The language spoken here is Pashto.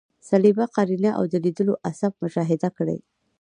صلبیه، قرنیه او د لیدلو عصب مشاهده کړئ.